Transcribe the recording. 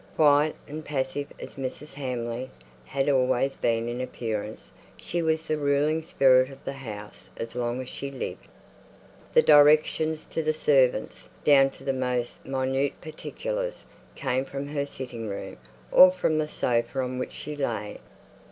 Quiet and passive as Mrs. Hamley had always been in appearance, she was the ruling spirit of the house as long as she lived. The directions to the servants, down to the most minute particulars, came from her sitting room, or from the sofa on which she lay.